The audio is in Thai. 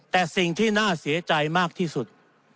แต่สิ่งที่น่าเสียใจมากที่สุด